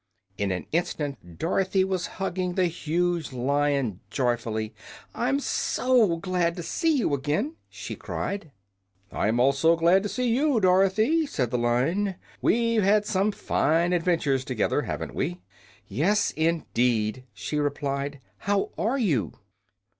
In an instant Dorothy was hugging the huge Lion joyfully. "I'm SO glad to see you again!" she cried. "I am also glad to see you, Dorothy," said the Lion. "We've had some fine adventures together, haven't we?" "Yes, indeed," she replied. "How are you?"